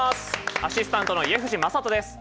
アシスタントの家藤正人です。